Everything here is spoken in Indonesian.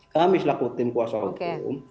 kami selaku tim kuasa hukum